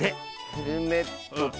ヘルメットと。